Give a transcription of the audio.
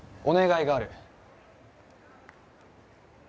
お願いがある。